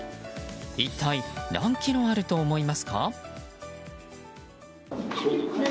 一体何ｋｇあると思いますか？